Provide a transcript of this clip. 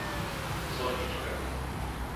Soľnička